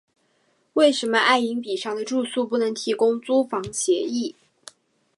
为什么爱迎彼上的住宿不能提供租房协议？